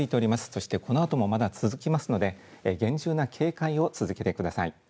そしてこのあともまだ続きますので厳重な警戒を続けてください。